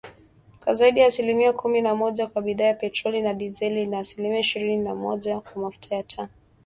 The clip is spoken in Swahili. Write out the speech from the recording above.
kwa zaidi ya asilimia kumi na moja kwa bidhaa ya petroli na dizeli na asilimia ishirini na moja kwa mafuta ya taa